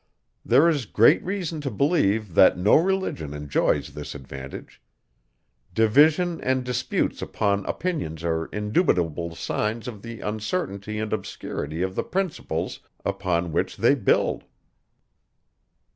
There is great reason to believe, that no religion enjoys this advantage. Division and disputes upon opinions are indubitable signs of the uncertainty and obscurity of the principles, upon which they build.